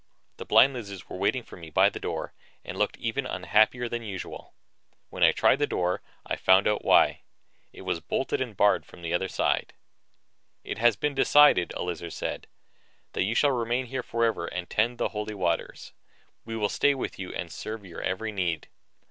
The blind lizards were waiting for me by the door and looked even unhappier than usual. When I tried the door, I found out why it was bolted and barred from the other side. "It has been decided," a lizard said, "that you shall remain here forever and tend the Holy Waters. We will stay with you and serve your every need."